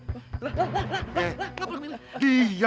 lah lah lah